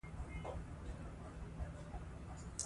فساد به ورک شي.